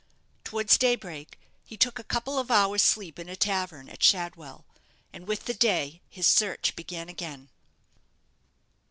Towards daybreak, he took a couple of hours' sleep in a tavern at Shadwell, and with the day his search began again.